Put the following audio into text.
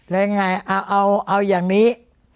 แล้วยังไงเอาอย่างนี้